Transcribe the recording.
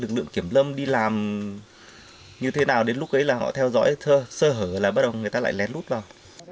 lực lượng kiểm lâm đi làm như thế nào đến lúc ấy là họ theo dõi thơ sơ hở là bắt đầu người ta lại lén lút vào